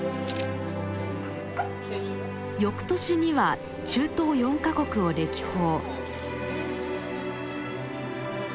翌年には中東４か国を歴訪。